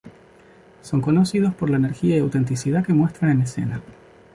Son conocidos por la energía y autenticidad que muestran en escena.